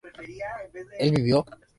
¿él vivió?